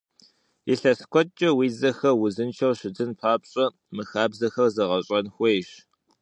Илъэс куэдкӀэ уи дзэхэр узыншэу щытын папщӀэ, мы хабзэхэр гъэзэщӀэн хуейщ!